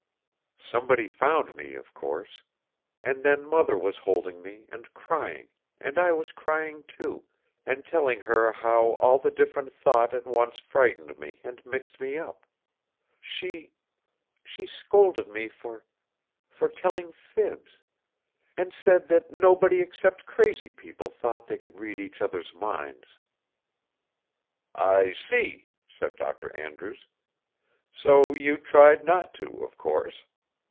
"Somebody found me, of course. And then Mother was holding me and crying and I was crying, too, and telling her how all the different thought at once frightened me and mixed me up. She ... she scolded me for ... for telling fibs ... and said that nobody except crazy people thought they could read each other's minds." "I see," said Dr. Andrews, "So you tried not to, of course.